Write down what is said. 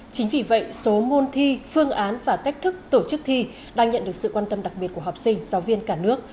chính vì vậy số môn thi phương án và cách thức tổ chức thi đang nhận được sự quan tâm đặc biệt của học sinh giáo viên cả nước